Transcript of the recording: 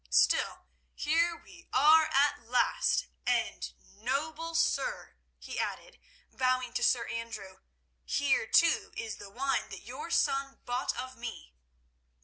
Still, here we are at last, and, noble sir," he added, bowing to Sir Andrew, "here too is the wine that your son bought of me."